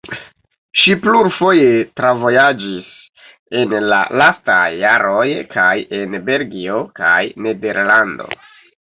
Ŝi plurfoje travojaĝis en la lastaj jaroj kaj en Belgio kaj Nederlando.